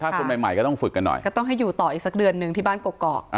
ถ้าคนใหม่ก็ต้องฝึกกันหน่อยก็ต้องให้อยู่ต่ออีกสักเดือนหนึ่งที่บ้านกอก